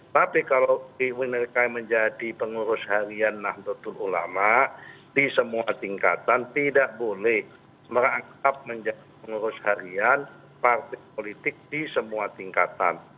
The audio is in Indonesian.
tapi kalau mereka menjadi pengurus harian nahdlatul ulama di semua tingkatan tidak boleh merangkap menjadi pengurus harian partai politik di semua tingkatan